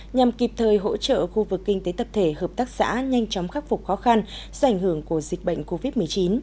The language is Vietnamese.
nhằm kịp thời hỗ trợ khu vực kinh tế tập thể hợp tác xã nhanh chóng khắc phục khó khăn do ảnh hưởng của dịch bệnh covid một mươi chín